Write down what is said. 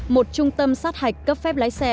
một trung tâm sát hạch cấp phép lái xe